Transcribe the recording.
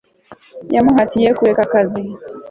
yamuhatiye kureka akazi